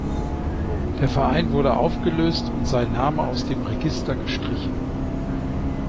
Der Verein wurde aufgelöst und sein Name aus dem Register gestrichen.